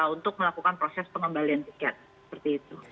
untuk melakukan proses pengembalian tiket seperti itu